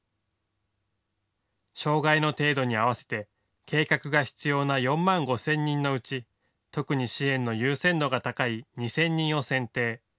障害の程度に合わせて計画が必要な４万５０００人のうち特に支援の優先度が高い２０００人を選定。